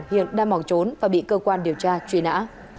hiện đang bỏ trốn và bị cơ quan điều tra truy nã